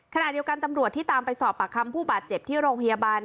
ขณะเดียวกันตำรวจที่ตามไปสอบปากคำผู้บาดเจ็บที่โรงพยาบาล